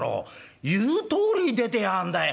言うとおりに出てやがんだい。